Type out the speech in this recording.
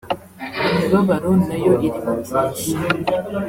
Imibabaro na yo irimo byinshi